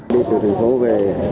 đi từ thành phố về